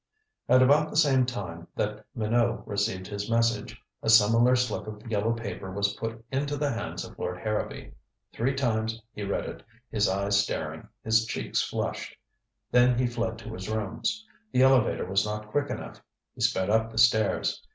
At about the same time that Minot received his message, a similar slip of yellow paper was put into the hands of Lord Harrowby. Three times he read it, his eyes staring, his cheeks flushed. Then he fled to his rooms. The elevator was not quick enough; he sped up the stairs.